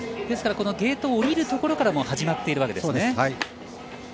ですからゲートを降りるところから始まっているわけですね。